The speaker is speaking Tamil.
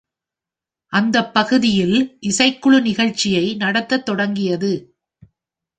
அந்தப் பகுதியில் இசைக்குழு நிகழ்ச்சியை நடத்தத் தொடங்கியது.